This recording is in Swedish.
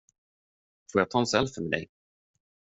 Får jag ta en selfie med dig.